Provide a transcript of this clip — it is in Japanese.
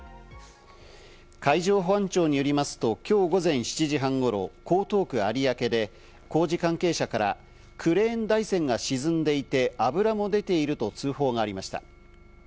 海上保安庁によりますと、今日午前７時半頃、江東区有明で工事関係者からクレーン台船が沈んでいて、油も出ていると通報がありました。